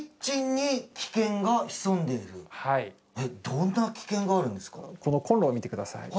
はいはいどんな危険があるんですか？